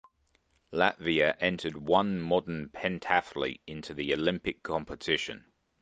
Latvia entered one modern pentathlete into the Olympic competition.